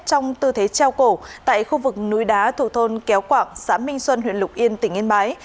trong tư thế treo cổ tại khu vực núi đá thuộc thôn kéo quảng xã minh xuân huyện lục yên tỉnh yên bái